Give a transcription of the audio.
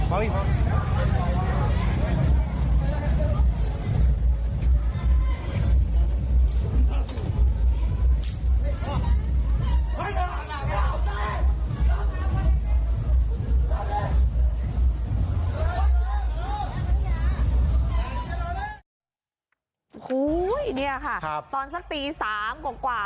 โอ้โหนี่ค่ะตอนสักตี๓กว่า